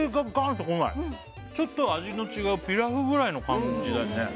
ちょっと味の違うピラフぐらいの感じだよね